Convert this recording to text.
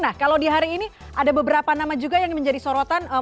nah kalau di hari ini ada beberapa nama juga yang menjadi sorotan